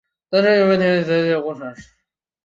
但是这一问题在学界内还未形成共识。